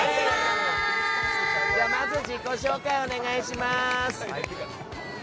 まず自己紹介をお願いします。